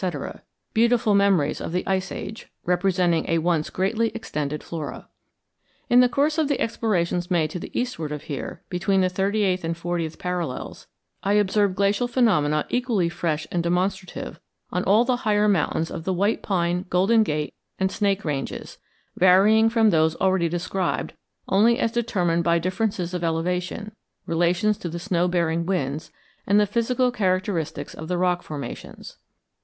—beautiful memories of the Ice Age, representing a once greatly extended flora. In the course of explorations made to the eastward of here, between the 38th and 40th parallels, I observed glacial phenomena equally fresh and demonstrative on all the higher mountains of the White Pine, Golden Gate, and Snake ranges, varying from those already described only as determined by differences of elevation, relations to the snow bearing winds, and the physical characteristics of the rock formations.